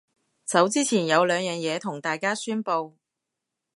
走之前有兩樣嘢同大家宣佈